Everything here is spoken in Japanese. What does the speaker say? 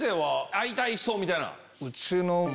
会いたい人みたいなん。